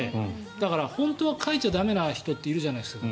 だから本当はかいちゃ駄目な人っているじゃないですか。